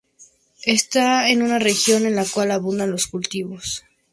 Está en una región en la cual abundan los cultivos.